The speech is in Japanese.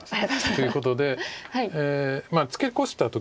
ということでツケコした時に。